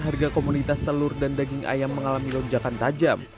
harga komunitas telur dan daging ayam mengalami lonjakan tajam